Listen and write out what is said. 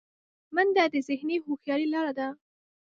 منډه د ذهني هوښیارۍ لاره ده